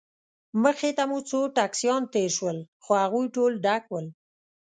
مخې ته مو څو ټکسیان تېر شول، خو هغوی ټول ډک ول.